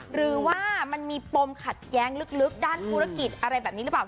หรือว่ามันมีปมขัดแย้งลึกด้านธุรกิจอะไรแบบนี้หรือเปล่า